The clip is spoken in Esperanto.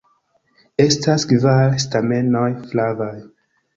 Estas kvar stamenoj, flavaj.